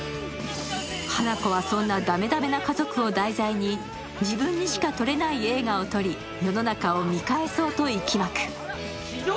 花子はそんなだめだめな家族を題材に自分にしか撮れない映画を撮り、世の中を見返そうと息巻く。